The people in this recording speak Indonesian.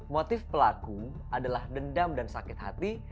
motif pelaku adalah dendam dan sakit hati